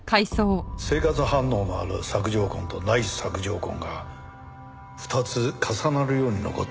生活反応のある索条痕とない索条痕が２つ重なるように残っていた。